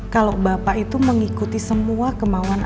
kalau bapak itu mengikuti semua kemauan